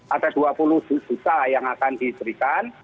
ada dua puluh juta yang akan diberikan